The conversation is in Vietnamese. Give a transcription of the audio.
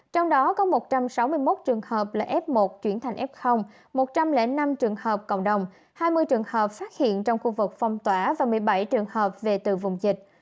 trong đó có một trăm sáu mươi một trường hợp là f một chuyển thành f một trăm linh năm trường hợp cộng đồng hai mươi trường hợp phát hiện trong khu vực phong tỏa và một mươi bảy trường hợp về từ vùng dịch